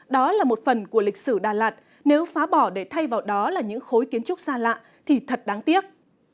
đó là một phần của lịch sử đà lạt nếu phá bỏ để thay vào đó là những khối kiến trúc xa lạ thì thật đáng tiếc